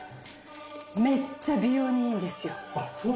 めっちゃ美容にいいんですよ。